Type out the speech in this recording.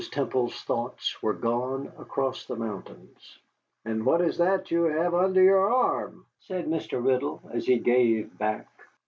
Temple's thoughts were gone across the mountains. "And what is that you have under your arm?" said Mr. Riddle, as he gave back.